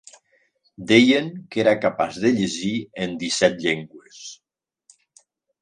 Deien que era capaç de llegir en disset llengües.